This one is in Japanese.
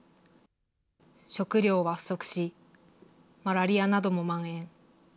食糧は不足し、マラリアなどもまん延。